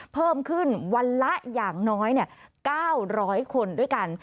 เพิ่มขึ้นวันละอย่างน้อย๙๐๐คนด้วยกัน